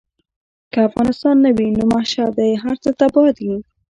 که افغانستان نه وي نو محشر دی او هر څه تباه دي.